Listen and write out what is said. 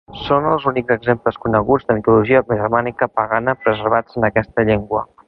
Són els únics exemples coneguts de mitologia germànica pagana preservats en aquesta llengua.